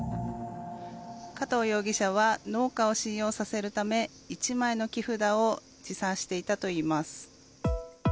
加藤容疑者は農家を信用させるため１枚の木札を持参していたといいます。